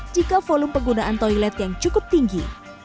jika volume penggunaan toilet yang cukup tinggi